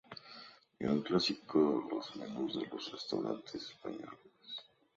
Es un clásico en los menús de los restaurantes españoles.